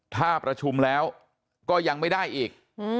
ถ้าประชุมแล้วก็ยังไม่ได้อีก